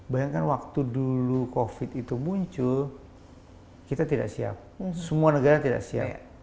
bayangkan waktu dulu covid itu muncul kita tidak siap semua negara tidak siap